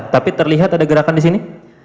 tapi terlihat ada gerakan di sini